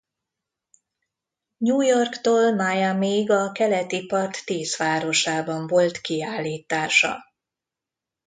New Yorktól Miamiig a keleti part tíz városában volt kiállítása.